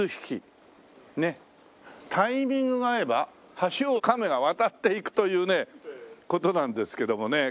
タイミングが合えば橋を亀が渡っていくというね事なんですけどもね。